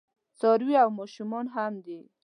څاروي او ماشوم هم وي.